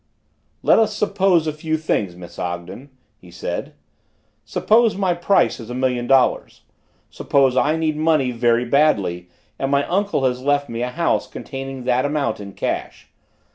"Let us suppose a few things, Miss Ogden," he said. "Suppose my price is a million dollars. Suppose I need money very badly and my uncle has left me a house containing that amount in cash.